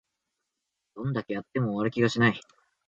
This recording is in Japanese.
どんだけやっても終わる気がしない